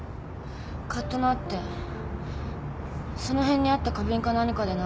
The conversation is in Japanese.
カッとなってその辺にあった花瓶か何かで殴った。